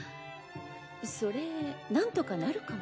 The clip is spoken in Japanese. それなんとかなるかも。